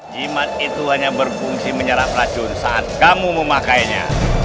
jimat itu hanya berfungsi menyerap racun saat kamu memakainya